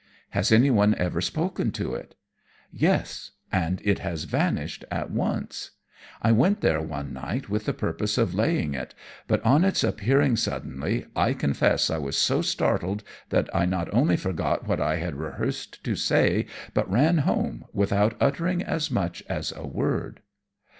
"Has anyone ever spoken to it?" "Yes and it has vanished at once. I went there one night with the purpose of laying it, but, on its appearing suddenly, I confess I was so startled, that I not only forgot what I had rehearsed to say, but ran home, without uttering as much as a word."